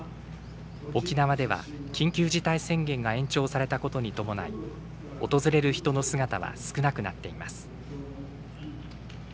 沖縄では緊急事態宣言が延長されたことに伴い訪れる人の姿は少なくなっています。